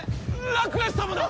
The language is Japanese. ラクレス様だ！